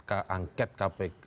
angket dpr terhadap kpk